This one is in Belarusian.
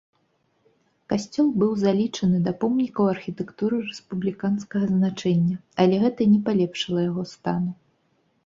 Касцёл быў залічаны да помнікаў архітэктуры рэспубліканскага значэння, але гэта не палепшыла яго стану.